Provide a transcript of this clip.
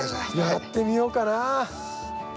やってみようかな。